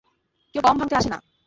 কেউ গম ভাংতে আসে না।